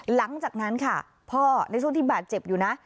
หลังจากนั้นค่ะพ่อในช่วงที่บาดเจ็บอยู่นะ